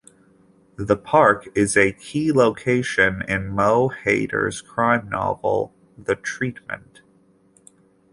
The park is a key location in Mo Hayder's crime novel "The Treatment".